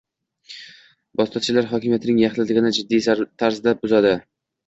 posttotalitar hokimiyatning yaxlitligini jiddiy tarzda buzadi.